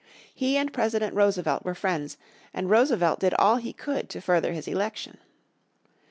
He and President Roosevelt were friends, and Roosevelt did all he could to further his election.